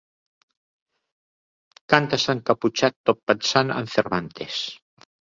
Cantes encaputxat tot pensant en Cervantes.